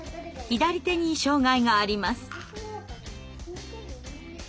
左手に障害があります。